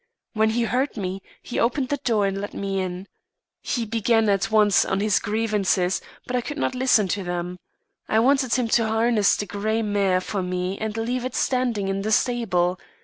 When he heard me, he opened the door and let me in. He began at once on his grievances, but I could not listen to them. I wanted him to harness the grey mare for me and leave it standing in the stable.